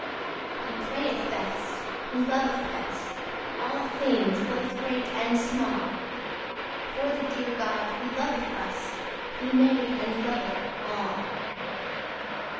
He prayeth best, who loveth best All things both great and small; For the dear God who loveth us He made and loveth all.